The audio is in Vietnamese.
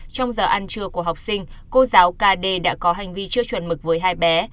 trong giờ ăn trưa của học sinh cô giáo kd đã có hành vi chưa chuẩn mực với hai bé